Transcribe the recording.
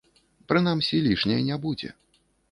Прынамсі, лішняй не будзе.